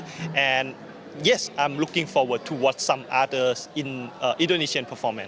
dan saya menarik untuk melihat performa artis indonesia